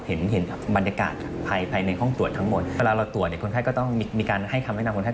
แผ่นบรรยากาศภายในห้องตรวจทั้งหมด